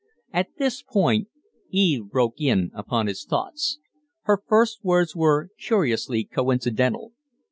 At this point Eve broke in upon his thoughts. Her first words were curiously coincidental.